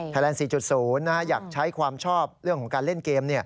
แลนด์๔๐อยากใช้ความชอบเรื่องของการเล่นเกม